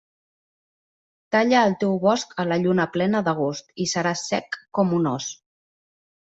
Talla el teu bosc a la lluna plena d'agost i serà sec com un os.